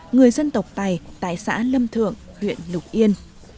người dân tộc tài tại xã lâm thượng huyện lục yên